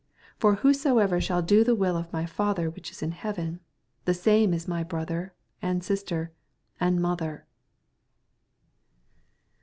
50 For whosoever shall do the will of my Father which is in heaven, the same is my brother, and sister, and mother.